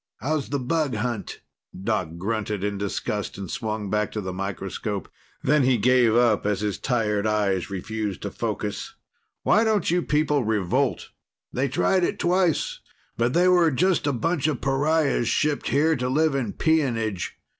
How's the bug hunt?" Doc grunted in disgust and swung back to the microscope. Then he gave up as his tired eyes refused to focus. "Why don't you people revolt?" "They tried it twice. But they were just a bunch of pariahs shipped here to live in peonage.